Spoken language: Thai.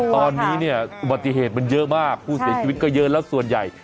ตอนนี้เนี่ยอุบัติเหตุมันเยอะมากผู้เสียชีวิตก็เยอะแล้วส่วนใหญ่